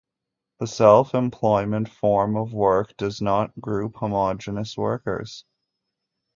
The self-employment form of work does not group homogenous workers.